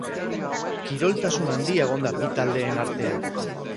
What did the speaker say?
Kiroltasun handia egon da bi taldeen artean.